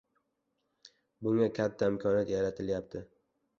Bunga katta imkoniyat yaratilayapti